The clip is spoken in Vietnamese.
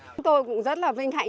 chúng tôi cũng rất là vinh hạnh